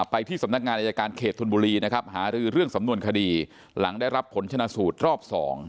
ไปที่สำนักงานอายการเขตธนบุรีนะครับหารือเรื่องสำนวนคดีหลังได้รับผลชนะสูตรรอบ๒